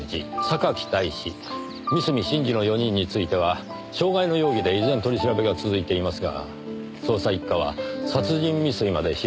三隅慎二の４人については傷害の容疑で依然取り調べが続いていますが捜査一課は殺人未遂まで視野に入れているようですねぇ。